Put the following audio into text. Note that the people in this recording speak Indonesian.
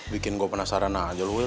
bikin gue penasaran aja lo will